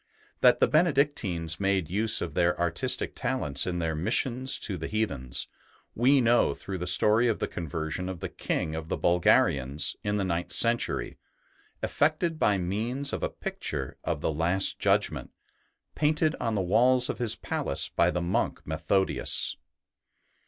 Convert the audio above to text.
That the Benedictines made use of their artistic talents in their missions to the heathens, we know through the story of the conversion of the King of the Bulgarians, in the ninth century, effected by means of a picture of the Last Judgment, painted on the walls of his palace by the monk Methodius.